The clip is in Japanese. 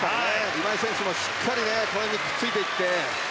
今井選手もしっかりこれについていって。